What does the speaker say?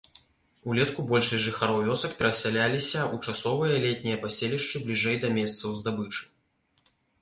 Улетку большасць жыхароў вёсак перасяляліся ў часовыя летнія паселішчы бліжэй да месцаў здабычы.